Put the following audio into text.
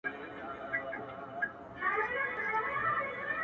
ما په قرآن کي د چا نور وليد په نور کي نور و’